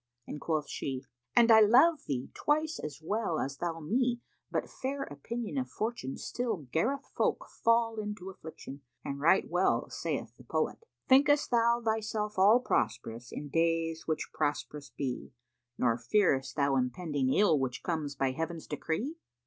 and quoth she, "And I love thee twice as well as thou me; but fair opinion of fortune still garreth folk fall into affliction, and right well saith the poet,[FN#488] 'Think'st thou thyself all prosperous, in days which prosp'rous be, Nor fearest thou impending ill, which comes by Heaven's decree?